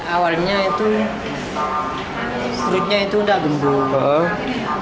awalnya itu perutnya itu sudah gembur